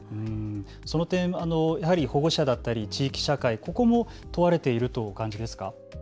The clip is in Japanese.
その点、保護者や地域社会、ここも問われているとお感じですか。